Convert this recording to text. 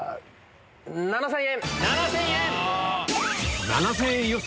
７０００円。